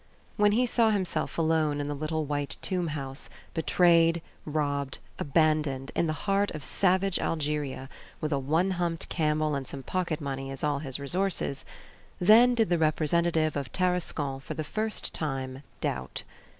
When he saw himself alone in the little white tombhouse, betrayed, robbed, abandoned in the heart of savage Algeria, with a one humped camel and some pocket money as all his resources, then did the representative of Tarascon for the first time doubt.